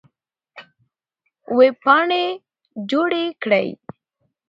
وېبپاڼې جوړې کړئ.